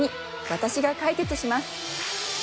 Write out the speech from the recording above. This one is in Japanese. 私が解決します